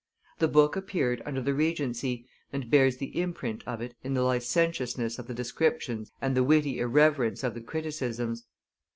The book appeared under the Regency, and bears the imprint of it in the licentiousness of the descriptions and the witty irreverence of the criticisms.